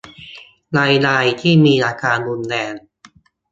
ในรายที่มีอาการรุนแรง